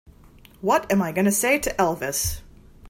What am I going to say to Elvis?